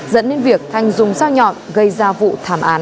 dẫn đến việc thanh dùng sao nhọn gây ra vụ thảm án